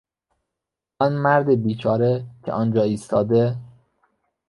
آن مرد بیچاره که آنجا ایستاده...